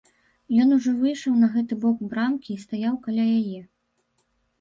Ён ужо выйшаў на гэты бок брамкі і стаяў каля яе.